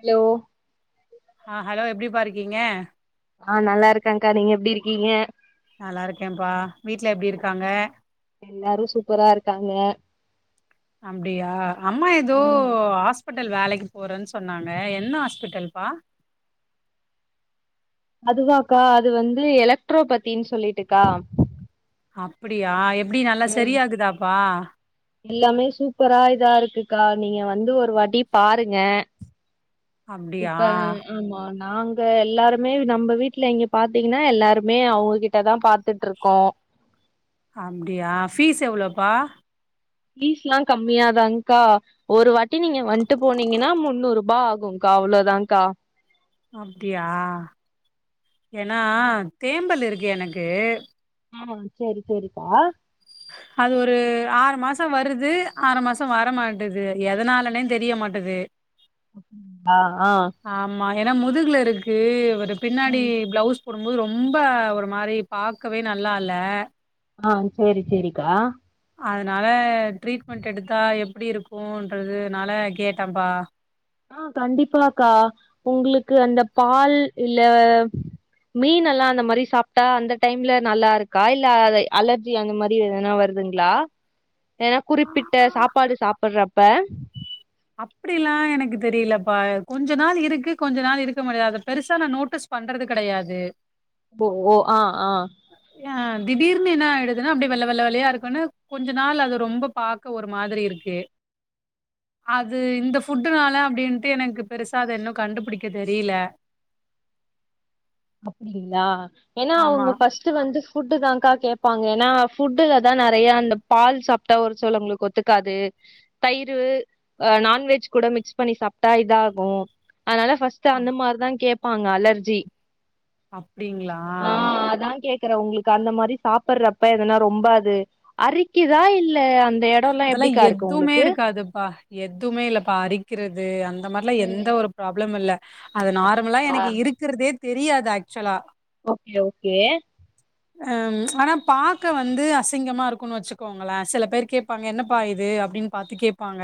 Hello ஆ hello எப்டிபா இருக்கீங்கே ஆ நல்லா இருக்கங்கா நீங்க எப்டி இருக்கீங்கே நல்லா இருக்கேன்ப்பா வீட்ல எப்டி இருக்காங்க. எல்லாரு சூப்பரா இருக்காங்க அப்டியா அம்மா ஏதோ ம் ஹாஸ் பிட்டல் வேலைக்கி போறன்னு சொன்னாங்க என்ன ஹாஸ்பிட்டல்பா அதுவாக்கா அது வந்து எலக்ட்ரோபதினு சொல்லிட்டுக்கா அப்டியா எப் ப்டி நல்லா ம் சரியாகுதாப்பா எல்லாமே சூப்பரா இதா இருக்குக்கா நீங்க வந்து ஒரு வாட்டி பாருங்க. அப்டியா இப்ப ம், ஆமா நாங்க எல்லாருமே நம்ம வீட்ல இங்க பாத்தீங்கனா எல்லாருமே அவங்ககிட்டதா பாத்துட்டு இருக்கோ அப்டியா ஃபீஸ் எவ்ளோப்பா பீஸ்லா கம்மியாதாங்க்கா ஒரு வாட்டி நீங்க வன்ட்டு போனீங்கன்னா முன்னூறு ரூபா ஆகுக்கா அவ்ளோதாக்கா அப்டியா ஏன்னா தேம்பல் இருக் எனக்கு ஆ, சேரி சேரிக்கா அது ஒரு ஆறு மாச வருது ஆறு மாசோ வரமாட்டது எதனாலன்னே தெரிய மாட்டது அ, ஆ மா ஏன்னா முதுகுல இருக்கு பின்னாடி பிளவுஸ் போடும்போது ரொம்ப ஒரு மாரி பாக்கவே நல்லா இல்ல ஆ செரி செரிக்கா அதனால ட்ரீட்மெண்ட் எடுத்தா எப்பிடி இருக்குங்கறதுனால கேட்டன் பா ஆ கண்டிப்பாக்கா உங்களுக்கு அந்த பால் இல்ல மீனெல்லாம் அந்த மாரி சாப்பிட்டா அந்த டைம்ல நல்லா இருக்கா இல்ல அத அலர்ஜி அந்த மாரி எதனா வருதுங்களா ஏன்னா குறிப்பிட்ட சாப்பாடு சாப்பிடுற அப்ப அப்பிடிலாம் எனக்கு தெரியலப்பா கொஞ்ச நாள் இருக்கு கொஞ்ச நாள் இருக்க முடியாது பெருசா நான் நோட்டீஸ் பண்றது கெடையாது ஓ ஓ ஆ ஆ ஆ திடீர்னு என்ன ஆயிடுதுன்னா அப்பிடி வெள்ள வெள்ள வெள்ளலயா இருக்குன்னு கொஞ்ச நாள் அது ரொம்ப பாக்க ஒரு மாரி இருக்கு அது இந்த ஃபுட்டுனால அப்பிடினிட்டு எனக்கு பெருசா அத இன்னும் கண்டுபிடிக்க தெரியல அப்பிடிங்களா ஏன்னா ஆமா அவுங்க ஃபஸ்ட் வந்து ஃபுட்டு தான்கா கேப்பாங்க ஏன்னா ஃபுட்டு்லதான் நறைய அந்த பால் சாப்பிட்டா ஒரு சிலவங்களுக்கு ஒத்துக்காது தயிர் நான்வெஜ் கூட மிக்ஸ் பண்ணி சாப்பிட்டா இதாகும் அதனால ஃபஸ்ட் அந்த மாரி தான் கேப் கேப்பாங்க அலர்ஜி அப்பிடிங்களா இல்ல உங்களுக்கு அந்த மாரி சாப்படறப்ப எதுனா ரொம்ப அது அறிக்குதா இல்ல அந்த எடோல்லா அதெல்லாம் எப்டிக்கா இருக்கு எதுவுமே உங்களுக்கு இருக்காதுப்பா எதுவுமே இல்லப்பா அரிக்கிறது இந்த மாரிலாம் ம் எந்த ஒரு ப்ராப்ளம் இல்ல அது நார்மலா அப்டிங்களா எனக்கு இருக்குறதே தெரியாத் ஆக்ச்சூல்லா ஓகே ஓகே ஆம் ச்ச ஆனா பாக்க வந்து அசிங்கமா இருக்குன்னு வச்சுக்கோங்களே சில பேர் கேப் பாங்க என்னபா இது அப்டின்னு பாத்து கேப்பாங்க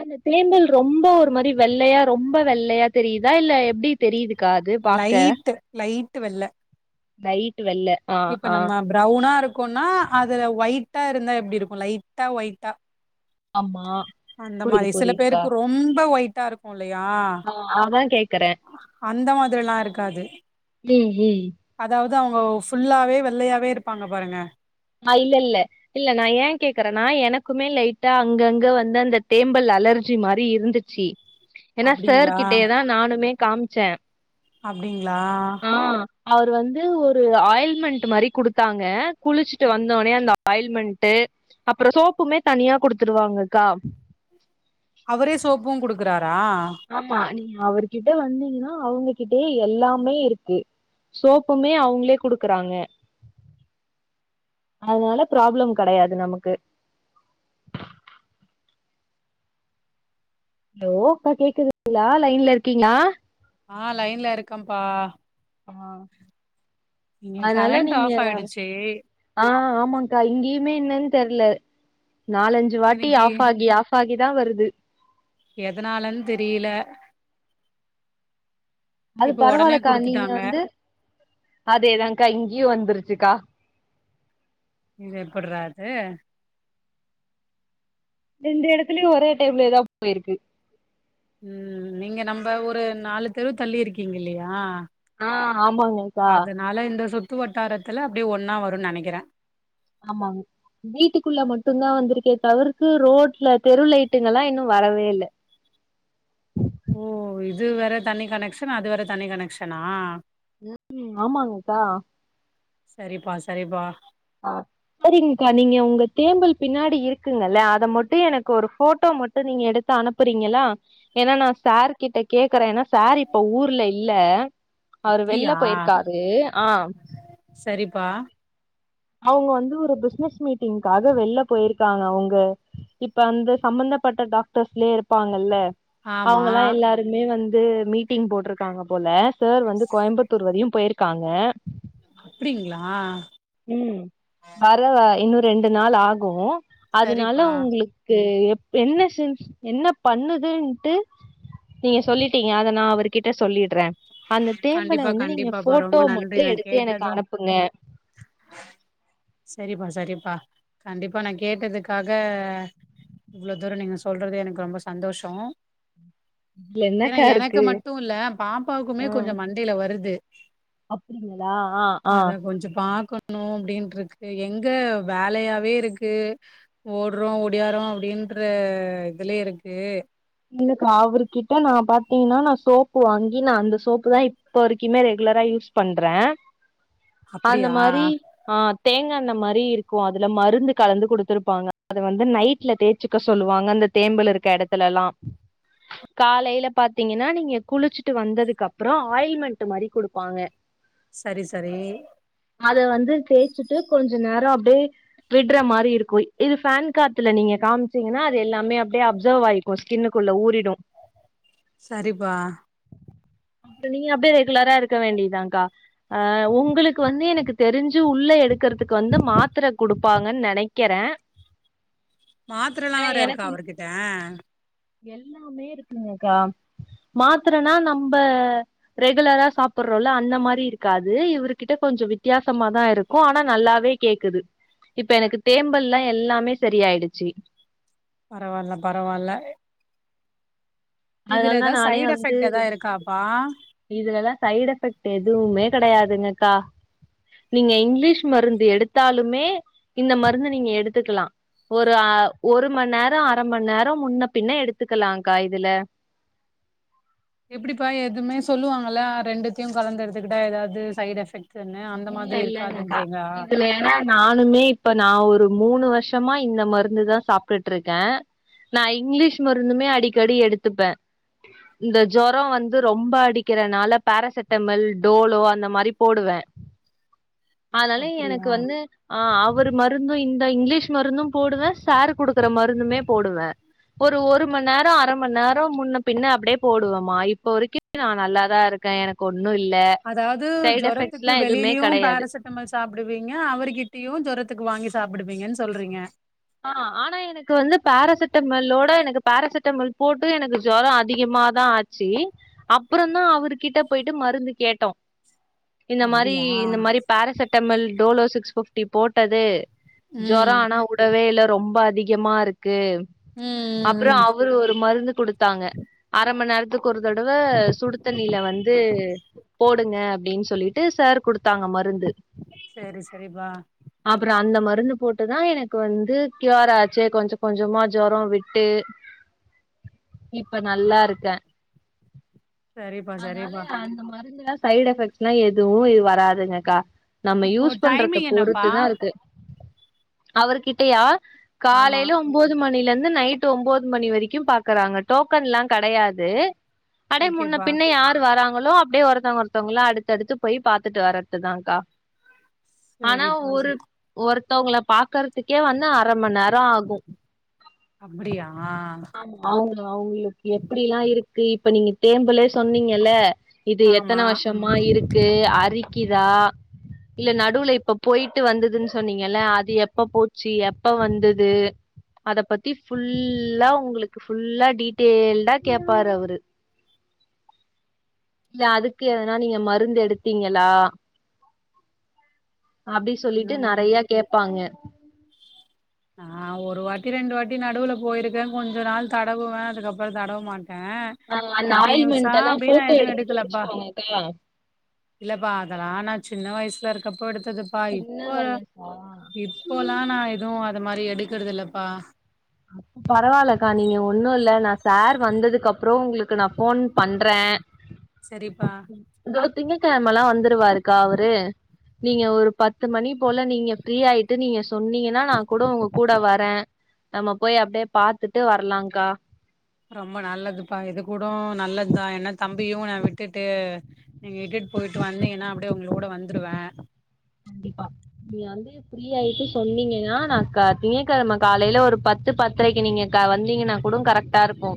அது தேம்பல் ரொம்போ ஒரு மாரி வெள்ளையா ரொம்ப வெள்ளையா தெரிதா இல்ல எப்டி தெரிது லைட்டு லை டு வெள்ள லைட் வெள்ள ஆ இப்ப ஆ நம்ம பிரவுன்னா இருக்கோனா அதுல ஒயி ட்டா இருந்தா எப்டி இருக்கோ லைட்டா ஒயிட்டா ஆமா அந்த புரியுது மாரி சில புரியுதுக்கா பேருக்கு ரொம்ப ஒயி டா இருக்கோ ஆ அதா கேக்கறே ஆ இருக்காது அதா வுதா அவுங்கோ ஃபுல்லாவே வெள்ளையாவே இருப்பாங்க பாருங்க ஆ இல்லல்ல இல்ல நா ஏ கேக்குறனா எனக்குமே லைட்டா அங்கங்க வந்து அந்த தேம்பல் அலர்ஜி மாரி இருந்திச்சி எனா சார் அப்டிங்களா? கிட்டேதா நானுமே காம்ச்சே அப்டிங்ளா அவுர் வந்து ஒரு ஆயில்மென்ட் மாரி குடுத்தாங்க குளிச் ட்டு வந்தோனே அந்த ஆயில்மென்ட்டு அப்புறோ சோப்புமே தனியா குடுத்துருவாங்ககா அவரே சோப்புங் குடு றா ஆமா நீங்க அவர்கிட்ட வந்தீங்னா அவுங்ககிட்டயே எல்லாமே இருக்கு சோப்புமே அவுங்ளே குடுக்குறாங்க அதனால பிராப்ளம் கடையாது நமக்கு லோ கா கேக்குதுங்ளா லைன்ல இர்க்கீங்ளா ஆ லைன்ல இருக்கம்பா ஆ இங்க அதனால கரண்ட் நீங்க ஆஃப் ஆயிடுச்சு ஆ ஆமாங்கா இங்கியுமே என்னன் தெர்ல நாலஞ்சு வாட்டி இன்னைக்கு ஆஃப் ஆகி ஆஃப் ஆகி தா வருது எதனாலன் தெரில அது பரவாலகா நீங்க வந்து அதேதாங்கா இங்யு வந்துரு சிக்கா இது எப்புட்றா அது ரெண்டு எடத்துலயு ஒரே டைம்லேதா போய்ருக்கு உம் நீங்க நம்ப ஒரு நாலு தெரு தள்ளி இருக்கீங்க இல்லியா ஆஹ் ஆமாங்கக்கா இந்த சுத்து வட்டாரத்துல அப்டியே ஒன்னா வருனு நெனைக்கிறே ஆமாங் வீட்டுக்குள்ள மட்டுந்தா வந்ருக்கே தவிர்த்து ரோட்ல தெரு லைட்டுங்கலா இன்னு வரவே இல்ல ஓ இது வேற தனி கனக்சன் அது வேற தனி கனக்சனா உ உம் ஆமாங்கக்கா சரிப்பா சரிபா ஆஹ் சரிங்கக்கா நீங்க உங்க தேம்பல் பின்னாடி இருக்குங்கல்ல அத மட்டூ எனக்கு ஒரு ஃபோட்டோ மட்டூ நீங்க எடுத் அனுப்புறீங்களா ஏனா நா சார் கிட்ட கேக்குறே ஏனா சார் இப்ப ஊர்ல இல்ல அவ்ரு வெள்ல அப்டியா போய்ருக்காரு ஆஹ் சரிப்பா அவுங்க வந்து ஒரு பிஸ்னஸ் மீட்டிங்காக வெள்ல போய் இருக்காங்க அவுங்க இப்ப அந்த சம்பந்தப்பட்ட டாக்டர்ஸ்லயே இருப்பாங்கல்ல ஆமா அவுங்கல்லா எல்லாருமே வந் து மீட்டிங் போட்டிருக்காங்க போல சார் வந்து கோயம்புத்தூர் வரையும் போயிருக்காங்க அப்டிங்க்ளா உம் வரவா இன்னு ரெண்டு நாள் ஆகு அதுனால சரிப்பா உங்களுக்கு என்ன சின்ஸ் என்ன பண்ணுதுன்ட்டு நீங்க சொல்லிட்டீங்க அத நானக்ஷ அவர்கிட்ட சொல்லிட்றே அந்த தேம்பல கண்டிப்பா வந்து நீங்க கண்டிப்பாப்பா ரொம்ப ஃபோட்டோ நன்றி மட்டு நா எடுத்து எனக்கு கேட்டது அனுப்புங்க சரிப்பா சரிப்பா கண்டிப்பா நா கேட்டதுக்காக இவ்ளோதூர நீங்க சொல்றது எனக்கு ரொம்ப சந்தோஷோ இதுல ஏன்னா என்னக்கா எனக்கு இருக்கு மட்டு இல்ல பாப் குமே ஆ கொஞ்சொ மண்டையில வ வருது அப்டிங்களா ஆஹ் ஆஹ் ணு அப்டீன்ட்ருக்கு எங்க வேலையாவே இருக்கு ஓட்றோ ஒடியாரோ அப்டின்ற இதுலயேருக்கு இல்லக்கா அவர்கிட்ட நா பாத்தீங்னா நா சோப்பு வாங்கி நா அந்த சோப்பு தா இப்ப வரைக்குமே ரெகுலரா யூஸ் பண்றே அந்த அப்டியா மாரி ஆஹ் தேங் க அந்த மாரி இருக்கு அதுல மருந்து கலந்து குடுத்துருப்பாங்க அத வந்து நைட்ல தேச்சுக்க சொல்லுவாங்க அந்த தேம்பல் இருக்க எடத்துல எல்லா காலையில பாத்தீங்கன்னா நீங்க குளிச்சுட்டு வந்ததுக்கு அப்புறொ ஆயில்மெண்ட் மாரி குடுப்பாங்க சரி சரி அத வந்து தேச்சுட்டு கொஞ்ச நேர அப்டியே விட்ற மாரி இருக்கு இது ஃபேன் காத்துல நீங்க காமிச்சீங்கன்னா அது எல்லாமே அப்டியே அப்சவ் ஆயிக்கோ ச் கின்னுக்குள்ள ஊறிடு சரிப்பா அப்புற நீங்க அப்டியே ரெகுலரா இருக்க வேண்டியதாகா ஆஹ் உங்களுக்கு வந்து எனக்கு தெரிஞ்சு உள்ள எடுக்கறதுக்கு வந்து மாத்திர கொடுப்பாங்க நெனைக்கிறே மாத்திரல்லா ஏன்னா வேற எனக்கு இருக்கா அவர்கிட்ட எல்லாமே இருக்குங்கக்கா மாத்திரனா நம்ப ரெகுலரா சாப்பிடுறோல அந்த மாரி இருக்காது இவரு கிட்ட கொஞ்சொ வித்தியாசமாதா இருக்கு ஆனா நல்லாவே கேக்குது இப்ப எனக்கு தேம்பல்லாண எல்லாமே சரியாய்டுச்சு பரவால்ல பரவால்ல இதுல அதனால ஏதா நானே சைட் வந்து எஃபெக்ட் ஏதா இருக்காப்பா இதுலல்லா சைடெ ஃபெக்ட் எதுவுமே கெடையாதுங்கக்கா நீங்க இங்கிலீஷ் மருந்து எடுத்தாலுமே இந்த மருந்து நீங்க எடுத்துக்கலா ஒரு அ ஒரு மண் நேர அர மண் நேர முன்ன பின்ன எடுத்துக்கலாங்கா இதுல எப்படிப்பா எதுவுமே சொல்லுவாங்கல்ல ரெண்டுத்தையும் கலந்துடுதுக்கிட்ட ஏதாவது சைட் எஃபெக்ட் இல்ல இல்லங்கக்கா இதுல ஏனா நானுமே இப்ப நா ஒ ஒரு மூணு வருஷமா இந்த மருந்து தா சாப்டுட்ருக்க நா இங்கிலீஷ் மருந்துமே அடிக்கடி எடுத்துப்ப இந்த ஜொரொ வந்து ரொம்ப அடிக்கிறனால பேரசிட்டமல் டோலோ அந்த மாரி போடுவ அதனால எனக்கு அப்டியா வந்து ஆஹ் அவரு மருந் இந்த இங்லீஷ் மருந்தும் போடுவ சார் குடுக்கற மருந்துமே போடுவ ஒரு ஒரு மண் நேர அர மண் நேர முன்ன பின்ன அப்படியே போடுவெமா இப்ப வரைக்கு நா நல்லாதா ருக்கே எனக்கு ஒன்னு ஒன்னு இல்ல சைட் எஃபெக்ட் வெளியிலயு பேராசட்டமல் சாப்பிடுவீங்க அவர்கிட்டயு ஜொரத்துக்கு க்கு வாங்கி சாப்பிடுவீங்கன் சொல்றீங்க ஆ ஆனா எனக்கு வந்து பரசிட்டமல்லோட எனக்கு பரசிட்டமல் போட்டு எனக்கு ஜோரோ அதிகமாதா ஆச்சி அப்றந்தா அவரு கிட்ட போய்ட்டு மருந்து கேட்டோ இந்த மாரி அப்டியா இந்த மாரி paracetamol Dolo six fifty போட்டது ஜொரோ ம் ஆனா உ ரொம்ப அதிகமாருக் கு ம் ம் அப்றோ ம். அவரு ஒரு மருந்து தாங்க அர மணி நேரத் க்கு ஒரு தடவ சுடு தண்ணில வந்து போடுங்க அப்டின் சொல்லிட்டு சர் குடுத் தாங்க மருந்து சரி சரிப்பா அப்றோ அந்த மருந் ந்து போட்டுதா எனக் கு வந்து கியூர் ஆச்சு கொஞ்ச கொஞ்சமா ஜொரோ விட்டு இப்ப நல்லா இருக்க சரிப்பா அதனால சரிப்பா அந்த மருந்துலா சைட் எஃபெக்ட்ஸ்னா எதுவு வராதுங்கக்கா நம்ம இப்போ யூஸ் பண்றத டைமிங் என்னப்பா பொறுத்துதா இருக்கு அவர்கிட்டயா ஆமா காலைல ஒம்போது மணில இருந் ந்து நைட்டு ஒம்போது மணி வரைக்கு பாக்குறாங்க டோக்கன்லா கடையாது அடை முன்ன ஓகேப்பா பின்ன யாரு வராங் களோ அப்டியே ஒருத்தவங்க ஒருத்தவங்களா அடுத்துடுத்து போய் பாத்துட்டு வர்றதுதாங்கா ஆனா சரிப்பா ச ஒரு ஒரு தவங்கள பாக்கற் துக்கே வந்து அர மண் நரோ ஆகு அப்டியா ஆமா அவங்க அவங்ளுக்கு எப்டிலா இருக் ரி இப்ப நீங்க தேம்பலே சொன்னிங்கல இது ஆமா எத்தன வருஷம்மா இருக் கு அரிக்கிதா இல்ல நடுவுல இப்ப பொயிட்டு வந்ததுன் சொன்னிங்கல அது எப்ப போச்சி எப்ப வந்தது அத பத்தி ஃபுல்லா உங்களுக்கு ஃபுல்லா டீடெய்ல்டா கேப்பாரு அவரு இல அதுக்கு எதனா நீங்க மருந்து எடுத்திங்களா அப்டி சொல்லிட்டு இன்னு நறைய கேப்பாங்க நா ஒரு வாட்டி ரெண்டு வாட்டி நடுவுல போயிருக்க கொஞ்சொ நாள் தடவுவ அதுக்கப்றொ தடவ மாட் ட ஆ அந்த கண்டின்யூஸா ஆயில்மெண்ட் எல்லா அப்டின் நா போட்டோ எதுவு எடுத்துட்டு எடுக்கலப்பா வச்சுக்கோங்கக்கா இல்லப்பா அதெலா நா சின்ன வய்ஸ் ஸாருக்கப்பொ எடுத் ததுப்பா சின்ன இப்பொரு வயசா இப்போலா நா எதுவு மாரி எடுக்கறதில்லப்பா பரவாயிலக்கா நீங்க ஒண்ணு இல்ல நா சார் வந்ததுக்கப்றொ உங்களுக்கு நான் போன் பண்றே சரிப்பா தோ திங்கக்கெழமலா வந்துருவாருக்கா அவரு நீங்க ஒரு பத் த்து மணி போல நீங்க ஃப்ரீயாயிட் டு நீங்கஸ் சொன்னிகனா நா கூட உங்க கூட வரே நம்ம போய் அப்டியே பாத்துட்டு வரலாக்கா ரொம்ப நல்லதுப்பா இது கூடோ நல்லதுதா ஏனா தம்பியு நா விட்டுட்டு நீங் இட்டுட்டு பொயிட்டு வந்திங்கனா அப்டியே உங்களோட வந்துருவே கண்டிப்பா நீங்க வந்து ஃப்ரீ ஆயிட்டு சொன்னீங்கன்னா நா க திங்கக்கெழம காலைல ஒரு பத்து பத்தரைக்கு நீங்க க வந்தீங்கன்னா கூடொ கரெக்டாருக்கு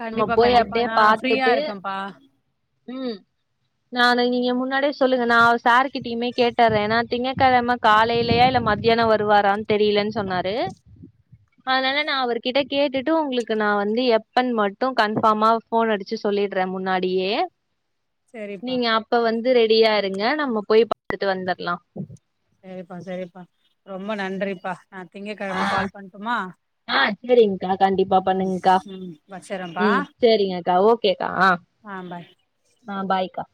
கண்டிப்பா கண்டிப்பா நா ஃப்ரீயா இருக்கம்ப்பா உம் நானு நீங்க முன்னாடியே சொல்லுங்க நா சார்கிட்டயுமே கேட்டர்ர ஏனா திங்கக்கெழம காலைலயா இல்ல மத்யானொ வருவாரான் தெரியலன் சொன்னாரு அதனால நா அவர்கிட்ட கேட்டுட்டு உங்களுக்கு நா வந்து எப்பன் மட் டு கன்ஃபார்மா போன் அடிச் ச்சு சொல்லிட்றே முன்னாடியே சரிப்பா நீங்க அப்ப வந் து ரெடியா இருங்க நம்ம போய் பாத்துட்டு வந்தர் செரிப்பா செரிப்பா ரொம்ப நன்றிப்பா நா திங்கக்கெழம கால் பண்ட்டுமா ஆஹ் செரிங்க்கா கண்டிப்பா ம் பண்ணுங்க்கா ம் வச்சறேன்ப்பா உம் செரிங்கக்கா ஓகேக்கா ஆ அ பாய்க்கா